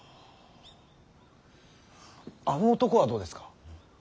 あの男はどうですか。